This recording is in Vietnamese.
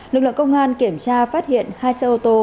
lực lượng công an kiểm tra phát hiện hai co hai